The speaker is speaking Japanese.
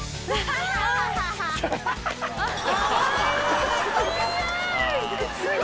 かわいい。